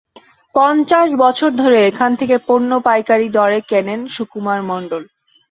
পঞ্চাশ বছর ধরে এখান থেকে পণ্য পাইকারি দরে কেনেন সুকুমার মণ্ডল।